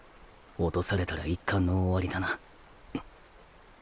落とされたら一巻の終わりだな